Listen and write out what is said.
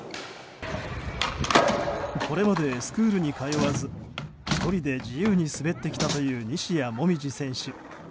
これまで、スクールに通わず１人で自由に滑ってきたという西矢椛選手。